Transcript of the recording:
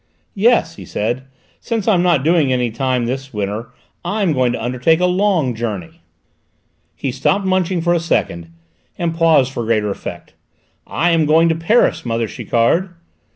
"Yes," he said, "since I'm not doing any time this winter I'm going to undertake a long journey." He stopped munching for a second and paused for greater effect. "I am going to Paris, mother Chiquard!"